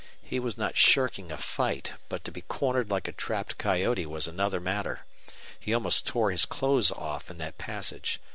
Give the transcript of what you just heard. He was not shirking a fight, but to be cornered like a trapped coyote was another matter. He almost tore his clothes off in that passage.